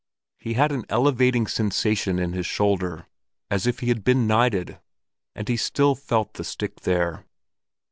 He had an elevating sensation in his shoulder as if he had been knighted; and he still felt the stick there.